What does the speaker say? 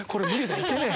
行けねえ。